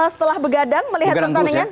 setelah begadang melihat pertandingan